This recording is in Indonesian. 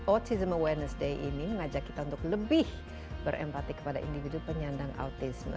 autism awareness day ini mengajak kita untuk lebih berempati kepada individu penyandang autisme